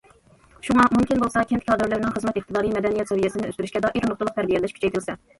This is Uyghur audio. شۇڭا، مۇمكىن بولسا كەنت كادىرلىرىنىڭ خىزمەت ئىقتىدارى، مەدەنىيەت سەۋىيەسىنى ئۆستۈرۈشكە دائىر نۇقتىلىق تەربىيەلەش كۈچەيتىلسە.